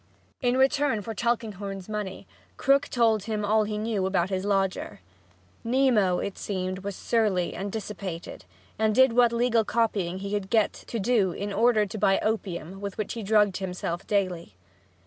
In return for Mr. Tulkinghorn's money Krook told him all he knew about his lodger. Nemo, it seemed, was surly and dissipated and did what legal copying he could get to do in order to buy opium with which he drugged himself daily.